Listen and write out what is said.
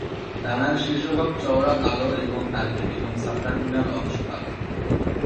ডানার শীর্ষভাগ চওড়া কালো এবং টার্মেন এবং সাবটার্মিনাল অংশ কাল।